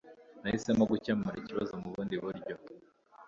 nahisemo gukemura ikibazo mubundi buryo